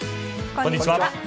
こんにちは。